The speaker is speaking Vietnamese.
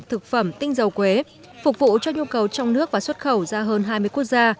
thực phẩm tinh dầu quế phục vụ cho nhu cầu trong nước và xuất khẩu ra hơn hai mươi quốc gia